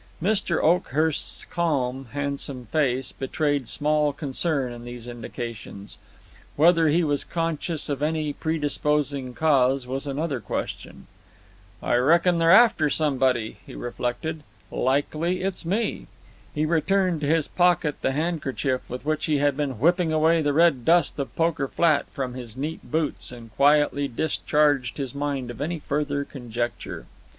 Mr. Oakhurst's calm, handsome face betrayed small concern in these indications. Whether he was conscious of any predisposing cause was another question. "I reckon they're after somebody," he reflected; "likely it's me." He returned to his pocket the handkerchief with which he had been whipping away the red dust of Poker Flat from his neat boots, and quietly discharged his mind of any further conjecture.